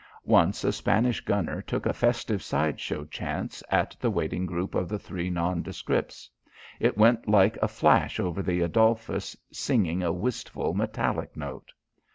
Once a Spanish gunner took a festive side show chance at the waiting group of the three nondescripts. It went like a flash over the Adolphus, singing a wistful metallic note.